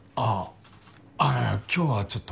あ今日はちょっと。